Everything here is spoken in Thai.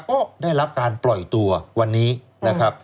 ก็ได้รับการปล่อยตัววันนี้นะครับ